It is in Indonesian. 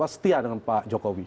setia dengan pak jokowi